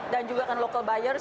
dan juga kan local buyer